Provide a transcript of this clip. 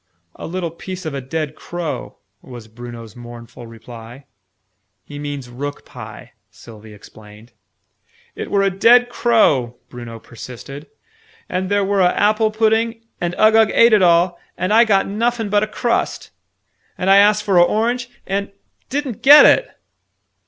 "A little piece of a dead crow," was Bruno's mournful reply. "He means rook pie," Sylvie explained. "It were a dead crow," Bruno persisted. "And there were a apple pudding and Uggug ate it all and I got nuffin but a crust! And I asked for a orange and didn't get it!"